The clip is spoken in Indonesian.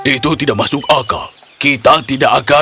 itu tidak masuk akal kita tidak akan